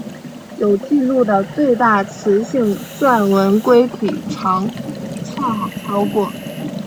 有纪录的最大雌性钻纹龟体长恰好超过。